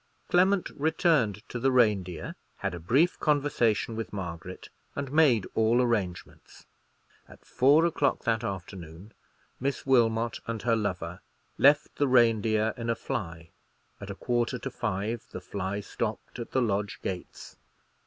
Clement returned to the Reindeer, had a brief conversation with Margaret, and made all arrangements. At four o'clock that afternoon, Miss Wilmot and her lover left the Reindeer in a fly; at a quarter to five the fly stopped at the lodge gates.